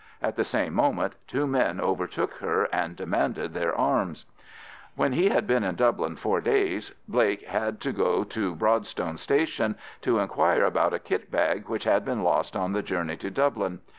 At the same moment two men overtook her and demanded their arms. When he had been in Dublin four days Blake had to go to Broadstone Station to inquire about a kit bag which had been lost on the journey to Dublin.